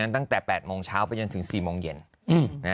ตั้งแต่๘โมงเช้าไปจนถึง๔โมงเย็น